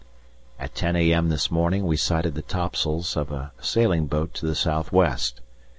At 10 a.m. this morning we sighted the topsails of a sailing boat to the southwest.